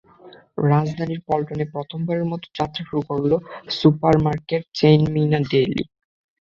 রাজধানীর পল্টনে প্রথমবারের মতো যাত্রা শুরু করল supermarket chain Meena daily.